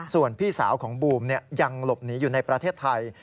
ส่วนพี่สาวของบูมยังหลบหนีอยู่ในประเทศไทย